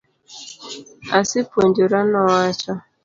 Asepuojora, nowacho.